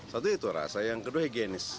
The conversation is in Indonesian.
satu itu rasa yang kedua higienis